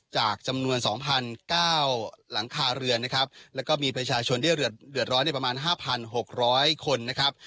จำนวน๒๙หลังคาเรือนนะครับแล้วก็มีประชาชนที่เดือดร้อนในประมาณ๕๖๐๐คนนะครับ